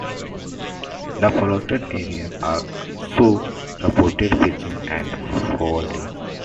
The flooded areas also supported fishing and fowling.